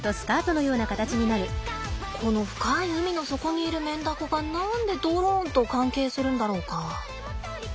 この深い海の底にいるメンダコが何でドローンと関係するんだろうか。